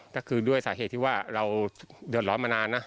ก็คือด้วยสาเหตุที่ว่าเราเดือดร้อนมานานนะ